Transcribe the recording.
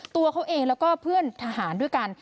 ตัวเขาเองแล้วก็เพื่อนทหารด้วยกัน